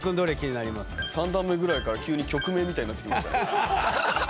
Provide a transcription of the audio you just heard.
３段目ぐらいから急に曲名みたいになってきました。